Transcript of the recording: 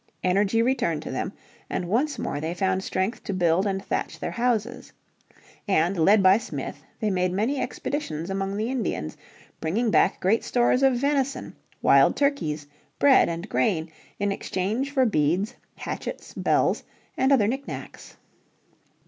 Energy returned to them, and once more they found strength to build and thatch their houses. And led by Smith they made many expeditions among the Indians, bringing back great stores of venison, wild turkeys, bread, and grain in exchange for beads, hatchets, bells and other knick knacks.